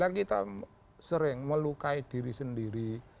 karena kita sering melukai diri sendiri